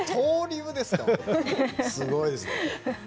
すごいですね。